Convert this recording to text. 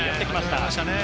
始まりましたね。